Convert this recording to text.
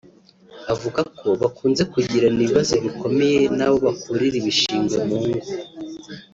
Avuga ko bakunze kugirana ibibazo bikomeye n’abo bakurira ibishingwe mu ngo